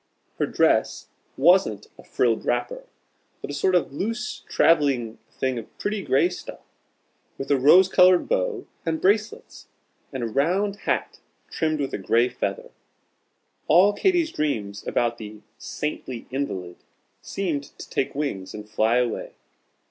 Her dress wasn't a "frilled wrapper," but a sort of loose travelling thing of pretty gray stuff, with a rose colored bow, and bracelets, and a round hat trimmed with a gray feather. All Katy's dreams about the "saintly invalid" seemed to take wings and fly away.